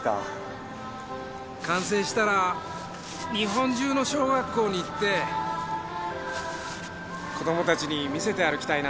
完成したら日本中の小学校に行って子供たちに見せて歩きたいな。